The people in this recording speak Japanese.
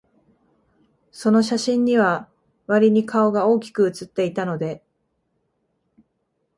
その写真には、わりに顔が大きく写っていたので、